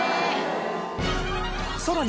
さらに。